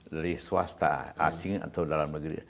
dari swasta asing atau dalam negeri